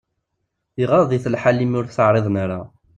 Iɣaḍ-it lḥal imi ur t-εriḍen ara.